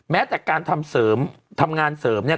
แม้แต่การทำเสริมทำงานเสริมเนี่ย